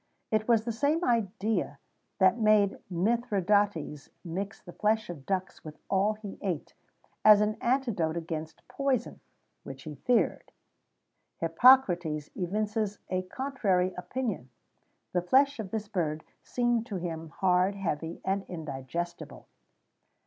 [XVII 41] It was the same idea that made Mithridates mix the flesh of ducks with all he ate, as an antidote against poison, which he feared.[XVII 42] Hippocrates evinces a contrary opinion. The flesh of this bird seemed to him hard, heavy, and indigestible.